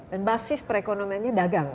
dan basis perekonomiannya dagang